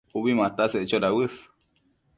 Ubi mataseccho dauës